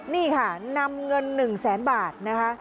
นี่ค่ะนำเงิน๑แสนบาทนะคะ